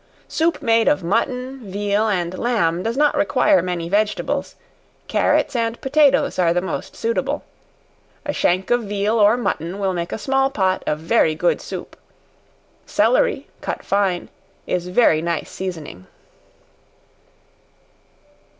Soup made of mutton, veal and lamb, does not require many vegetables; carrots and potatoes are the most suitable. A shank of veal or mutton will make a small pot of very good soup. Celery, cut fine, is very nice seasoning.